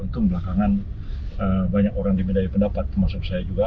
itu belakangan banyak orang dibedai pendapat termasuk saya juga